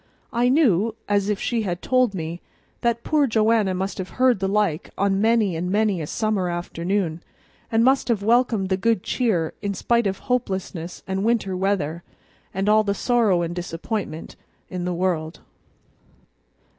I knew, as if she had told me, that poor Joanna must have heard the like on many and many a summer afternoon, and must have welcomed the good cheer in spite of hopelessness and winter weather, and all the sorrow and disappointment in the world.